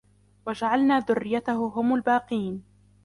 وجعلنا ذريته هم الباقين